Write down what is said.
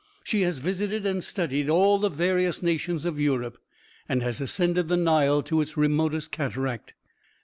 She has visited and studied all the various nations of Europe, and has ascended the Nile to its remotest cataract.